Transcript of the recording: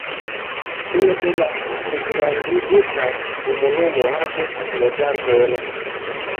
Fine de la pligrandigita komunumo havis loĝantojn.